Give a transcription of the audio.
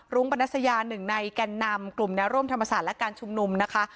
รุ้งปรณสยา๑ในแก่นำกลุ่มนร่วมธรรมศาสตร์และการชุมนุมนะคะ